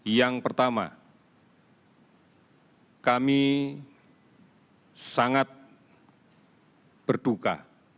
yang pertama kami sangat berduka